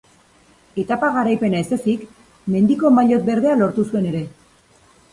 Etapa garaipena ez ezik, Mendiko maillot berdea lortu zuen ere.